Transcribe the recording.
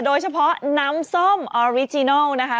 โดยเฉพาะน้ำส้มออริจินัลนะคะ